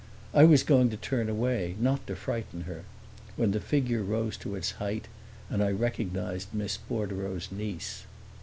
I was going to turn away, not to frighten her, when the figure rose to its height and I recognized Miss Bordereau's niece.